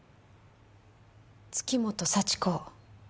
月本幸子。